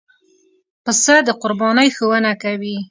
پسه د قربانۍ ښوونه کوي.